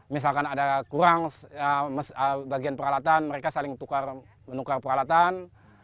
misalkan ada kurang bagian peralatan mereka saling menukar peralatan